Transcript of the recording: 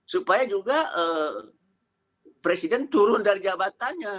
supaya juga presiden turun dari jabatannya